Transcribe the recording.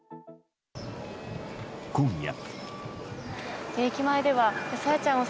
今夜。